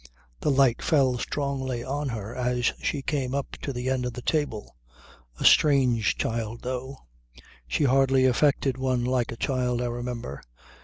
The light fell strongly on her as she came up to the end of the table. A strange child though; she hardly affected one like a child, I remember.